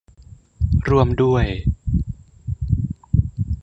ร่วมด้วย